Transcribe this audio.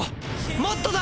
もっとだ！